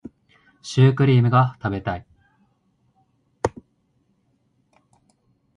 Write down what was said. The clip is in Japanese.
シュークリーム食べたい